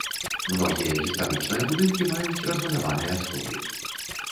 Многія гістарычныя будынкі маюць размаляваныя столі.